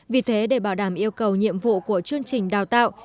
vì thế để bảo đảm yêu cầu nhiệm vụ của chương trình đào tạo